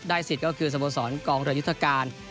ได้สิทธิ์ก็คือสมสรรค์กองเรือนยุทธการ